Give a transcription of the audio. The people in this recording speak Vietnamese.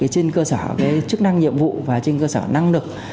trên cơ sở chức năng nhiệm vụ và trên cơ sở năng lực